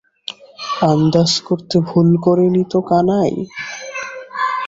আন্দাজ করতে ভুল কর নি তো কানাই?